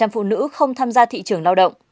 hai mươi năm phụ nữ không tham gia thị trường lao động